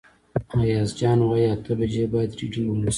ایاز جان وايي اته بجې باید رېډي اوسئ.